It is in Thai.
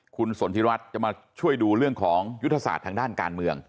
คุณสนทิรัฐจะมาช่วยดูเรื่องของยุทธศาสตร์ทางด้านการเมือง